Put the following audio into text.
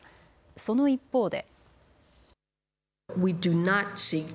その一方で。